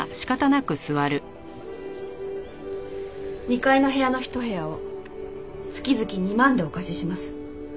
２階の部屋の１部屋を月々２万でお貸しします。